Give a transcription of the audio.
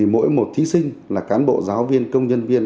mỗi một thí sinh là cán bộ giáo viên công nhân viên